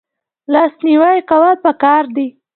لاس نیوی کول پکار دي